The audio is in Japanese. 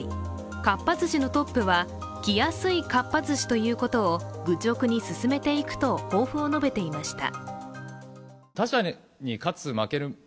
かっぱ寿司のトップは、来やすいかっぱ寿司をということを愚直に進めていくと抱負を述べていました。